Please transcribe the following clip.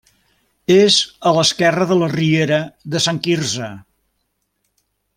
És a l'esquerra de la riera de Sant Quirze.